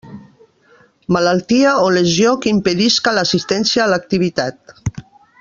Malaltia o lesió que impedisca l'assistència a l'activitat.